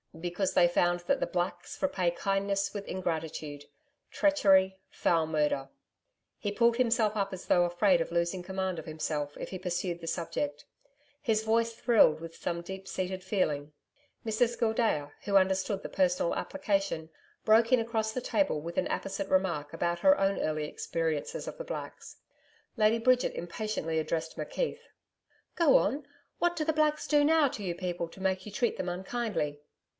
'Because they found that the Blacks repaid kindness with ingratitude treachery foul murder ' He pulled himself up as though afraid of losing command of himself if he pursued the subject: his voice thrilled with some deep seated feeling. Mrs Gildea, who understood the personal application, broke in across the table with an apposite remark about her own early experiences of the Blacks. Lady Bridget impatiently addressed McKeith. 'Go on. What do the Blacks do now to you people to make you treat them unkindly?'